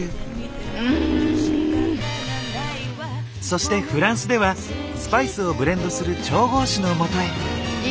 そしてフランスではスパイスをブレンドする調合師のもとへ。